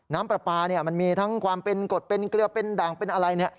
น้ำปลาปลามันมีทั้งความเป็นกดเป็นเกลือเป็นด่างเป็นอะไร